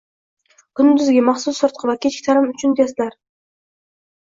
Kunduzgi, maxsus sirtqi va kechki ta'lim uchun testlar